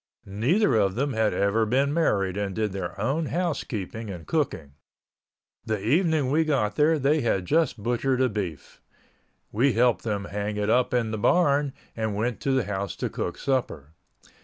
Neither of them had ever been married and did their own housekeeping and cooking. The evening we got there they had just butchered a beef. We helped them hang it up in the barn and went to the house to cook supper.